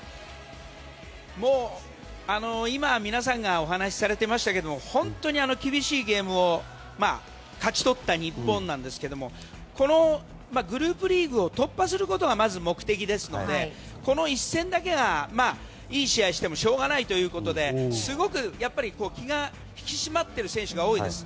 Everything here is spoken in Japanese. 今、皆さんがお話しされていましたけど本当に厳しいゲームを勝ち取った日本ですがこのグループリーグを突破することがまず目的ですのでこの１戦だけ、いい試合してもしょうがないということですごく気が引き締まっている選手が多いです。